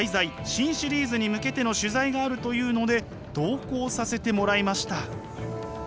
新シリーズに向けての取材があるというので同行させてもらいました。